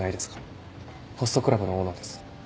ホストクラブのオーナーです。